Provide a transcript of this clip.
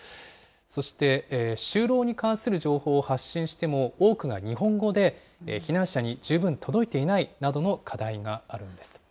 そして、就労に関する情報を発信しても、多くが日本語で、避難者に十分届いていないなどの課題があるんですと。